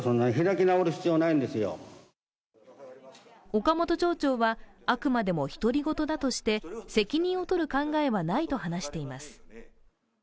岡本町長はあくまでも独り言だとして、責任を取る考えはないと話しています。